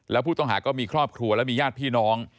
แล้วผู้ต้องหาก็มีครอบครัวและมีญาติพี่น้อง